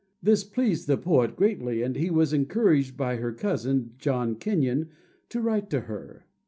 This pleased the poet greatly, and he was encouraged by her cousin, John Kenyon, to write to her.